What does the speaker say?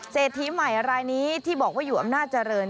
เศรษฐีใหม่รายนี้ที่บอกว่าอยู่อำนาจเจริญ